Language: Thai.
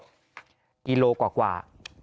กิโลกว่า